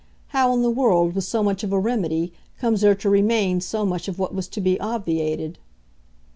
How in the world, with so much of a remedy, comes there to remain so much of what was to be obviated?"